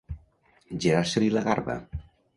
Girar-se-li la garba.